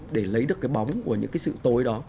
để lấy được cái bóng của những cái sự tối đó